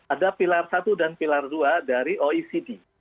ada pilar satu dan pilar dua dari oecd